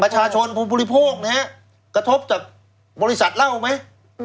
ประชาชนคนบริโภคเนี่ยกระทบจากบริษัทเหล้าไหม